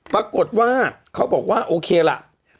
ปรากฏว่าเขาบอกว่าโอเคล่ะ